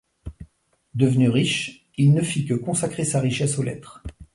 Devenu riche, il ne fit que consacrer sa richesse aux lettres.